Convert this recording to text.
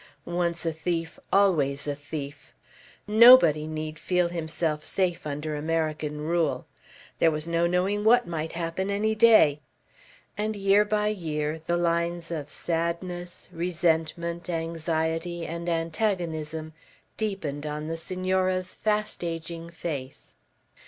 Once a thief, always a thief. Nobody need feel himself safe under American rule. There was no knowing what might happen any day; and year by year the lines of sadness, resentment, anxiety, and antagonism deepened on the Senora's fast aging face.